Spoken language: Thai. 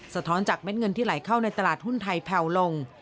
สะท้อนจากเม็ดเงินที่ไหลเข้าในตลาดหุ้นไทยแผ่วลง